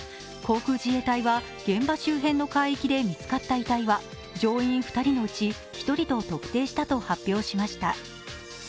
航空自衛隊は現場周辺の海域で見つかった遺体は乗員２人のうち１人と特定したと発表しました。